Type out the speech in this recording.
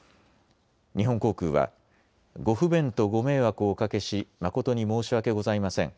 日本航空はご不便とご迷惑をおかけし誠に申し訳ございません。